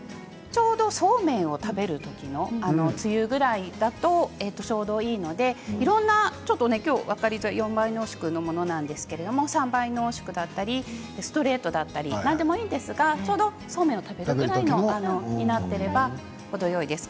ちょうどそうめんを食べるときのつゆぐらいだとちょうどいいので４倍濃縮のものを使っていますけれど３倍濃縮だったりストレートだったり何でもいいですけれどそうめんを食べるぐらいの濃さになっていれば程よいです。